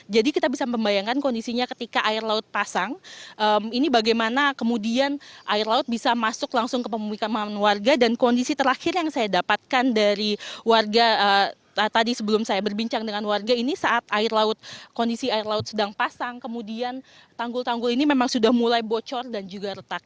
jadi kita bisa membayangkan kondisinya ketika air laut pasang ini bagaimana kemudian air laut bisa masuk langsung ke pemukiman warga dan kondisi terakhir yang saya dapatkan dari warga tadi sebelum saya berbincang dengan warga ini saat air laut kondisi air laut sedang pasang kemudian tanggul tanggul ini memang sudah mulai bocor dan juga retak